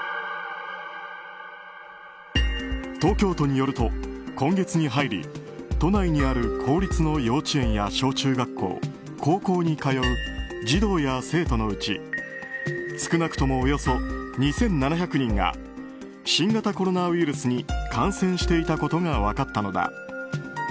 東京都によると、今月に入り都内にある公立の幼稚園や小中学校、高校に通う児童や生徒のうち少なくともおよそ２７００人が新型コロナウイルスに感染していたことが分かったのだ。